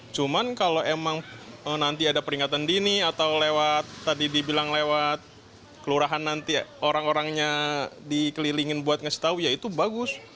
cuman kalau emang nanti ada peringatan dini atau lewat tadi dibilang lewat kelurahan nanti orang orangnya dikelilingin buat ngasih tau ya itu bagus